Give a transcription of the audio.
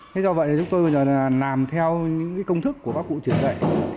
thế do vậy chúng tôi bây giờ làm theo những công thức của các cụ truyền dạy